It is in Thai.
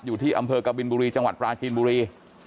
อยู่ที่อำเภอกบินบุรีจังหวัดปราจีนบุรี